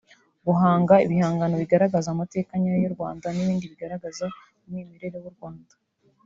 guhanga ibihangano bigaragaza amateka nyayo y’u Rwanda n’ibindi bigaragaza umwimerere w’u Rwanda